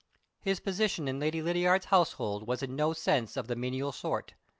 His position in Lady Lydiard's household was in no sense of the menial sort.